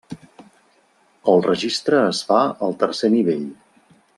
El registre es fa el tercer nivell.